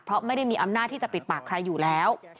เพราะไม่ได้มีอำนาจที่จะปิดปากใครอยู่แล้ว